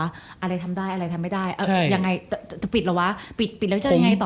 อะไรทำได้อะไรทำไม่ได้ยังไงจะปิดเหรอวะปิดปิดแล้วจะยังไงต่อ